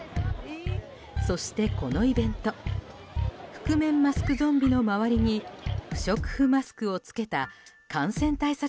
そして、このイベント覆面マスクのゾンビの周りに不織布マスクをつけた感染対策